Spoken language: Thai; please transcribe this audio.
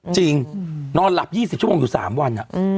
นอนหลับ๒๐ชั่วโมงอยู่๓วัน